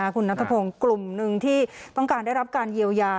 คุณนัทพงศ์กลุ่มหนึ่งที่ต้องการได้รับการเยียวยา